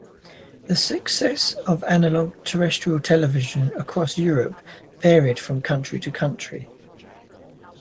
The success of analogue terrestrial television across Europe varied from country to country.